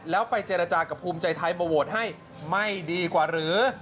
แล้วไปเจรจากับภูมิใจไทยมาโหวตให้ไม่ดีกว่าหรือ